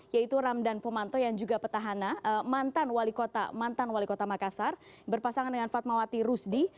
yaitu ramdan pomanto yang juga petahana mantan wali kota makassar berpasangan dengan fatmawati rusdi